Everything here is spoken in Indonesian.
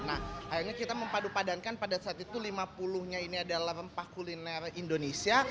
nah akhirnya kita mempadu padankan pada saat itu lima puluh nya ini adalah rempah kuliner indonesia